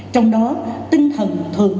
trong đó tinh thần thượng